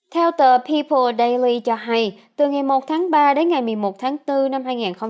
theo tờ people daily cho hay từ ngày một tháng ba đến ngày một mươi một tháng bốn năm hai nghìn hai mươi hai